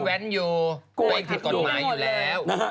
ตัวเองคิดกฎหมายอยู่แล้ว